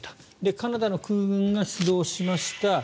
カナダの空軍が出動しました。